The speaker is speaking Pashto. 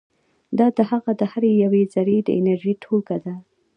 دا د هغه د هرې یوې ذرې د انرژي ټولګه ده.